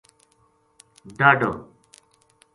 ڈاہڈو